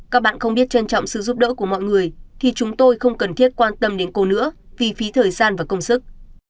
các bạn không biết trân trọng sự giúp đỡ của mọi người thì chúng tôi không cần thiết quan tâm đến cô nữa vì phí thời gian và công sức